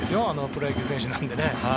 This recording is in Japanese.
プロ野球選手なのでね。